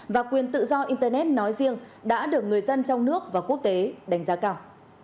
và quyền tự do internet nói riêng đã được người dân trong nước và quốc tế đánh giá cao